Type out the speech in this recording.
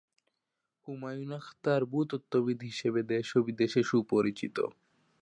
হুমায়ুন আখতার ভূতত্ত্ববিদ হিসেবে দেশ ও বিদেশে সুপরিচিত।